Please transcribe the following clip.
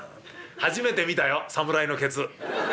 初めて見たよ侍のケツ。